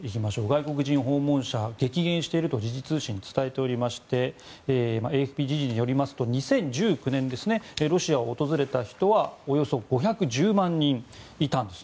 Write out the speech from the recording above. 外国人訪問者、激減していると時事通信は伝えておりましてＡＦＰ＝時事によりますと２０１９年にロシアを訪れた人はおよそ５１０万人いたんです。